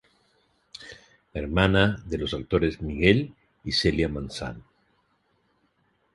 Hermana de los actores Miguel y Celia Manzano.